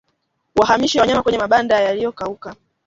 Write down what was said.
Wahamishe wanyama kwenye mabanda yaliyokauka